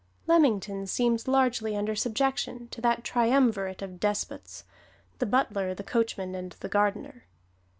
Leamington seems largely under subjection to that triumvirate of despots the Butler, the Coachman and the Gardener.